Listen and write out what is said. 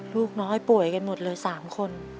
ลูกน้อยป่วยกันหมดเลย๓คน